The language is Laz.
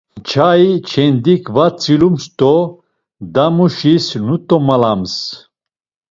Nçai çendik va tzilums do damuşis nut̆omalams.